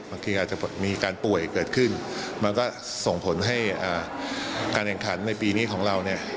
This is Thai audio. บางทีอาจจะมีการป่วยเกิดขึ้นมันก็ส่งผลให้การแข่งขันในปีนี้ของเราเนี่ย